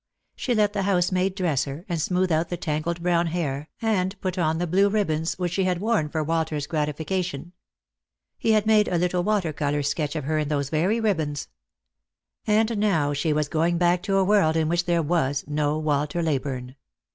She let the housemaid dress her, and smooth out the tangled brown hair, and put on the blue ribbons which she had worn for Walter's gratification. He had made a little water colour sketch of her in those very ribbons. And now she was going back to a world in which there was no Walter Leyburne.